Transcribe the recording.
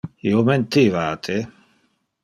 Io mentiva a te.